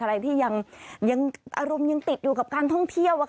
อะไรที่ยังอารมณ์ยังติดอยู่กับการท่องเที่ยว